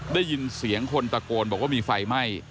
ได้ยินเสียงคนตะโกนบอกว่ามีไฟไหม้